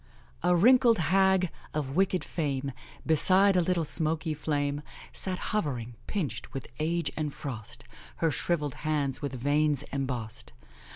"A wrinkled hag, of wicked fame, Beside a little smoky flame, Sat hovering, pinched with age and frost, Her shrivelled hands with veins embossed.